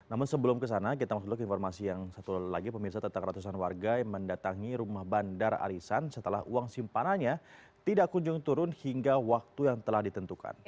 namun sebelum kesana kita masuk dulu ke informasi yang satu lagi pemirsa tentang ratusan warga yang mendatangi rumah bandar arisan setelah uang simpanannya tidak kunjung turun hingga waktu yang telah ditentukan